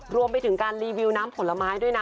รวมไปถึงการรีวิวน้ำผลไม้ด้วยนะ